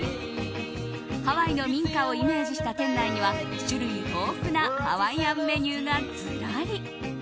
ハワイの民家をイメージした店内には種類豊富なハワイアンメニューがずらり。